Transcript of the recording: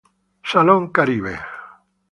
Salón Caribe.